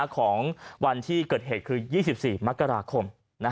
ของวันที่เกิดเหตุคือ๒๔มกราคม